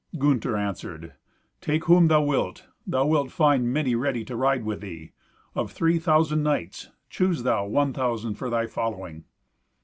Gunther answered, "Take whom thou wilt. Thou wilt find many ready to ride with thee. Of three thousand knights, choose thou one thousand for thy following."